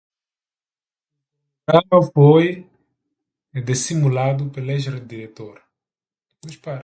O cronograma foi desestimulado pelo ex-diretor